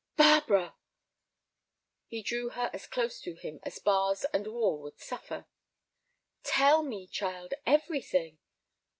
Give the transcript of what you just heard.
"Barbara!" He drew her as close to him as bars and wall would suffer. "Tell me, child, everything."